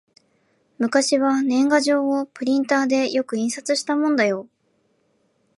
昔は年賀状をプリンターでよく印刷したもんだよ